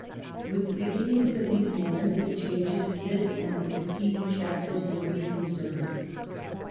With the beginnings of these momentous changes, this and the succeeding chapters will be concerned.